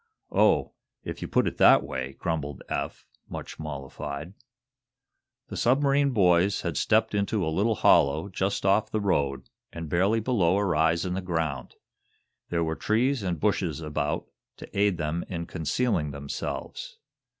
"Oh, if you put it that way!" grumbled Eph, much mollified. The submarine boys had stepped into a little hollow, just off the road, and barely below a rise in the ground. There were trees and bushes about to aid them in concealing themselves.